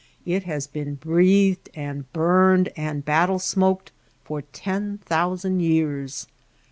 It has been breathed and burned and battle smoked for ten thousand years.